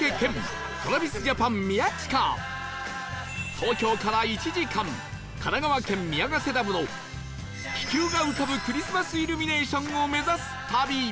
東京から１時間神奈川県宮ヶ瀬ダムの気球が浮かぶクリスマスイルミネーションを目指す旅